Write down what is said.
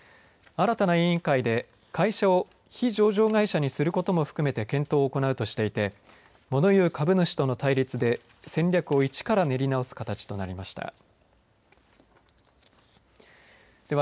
新たな委員会で会社を非上場会社にすることも含めて検討を行うとしていてもの言う株主との対立で戦略をいちから練り直す形となりました。